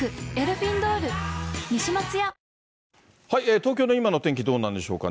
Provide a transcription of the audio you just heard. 東京の今の天気、どうなんでしょうか。